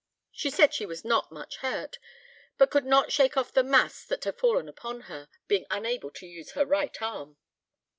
She said she was not much hurt, but could not shake off the mass that had fallen upon her, being unable to use her right arm."